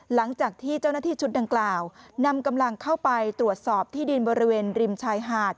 หลังจากที่เจ้าหน้าที่ชุดดังกล่าวนำกำลังเข้าไปตรวจสอบที่ดินบริเวณริมชายหาด